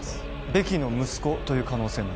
ベキの息子という可能性も？